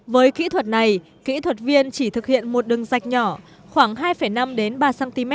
với kỹ thuật này kỹ thuật viên chỉ thực hiện một đường dạch nhỏ khoảng hai năm đến ba cm